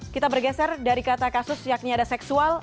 kita bergeser dari kata kasus yakni ada seksual